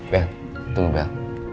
bel tunggu bel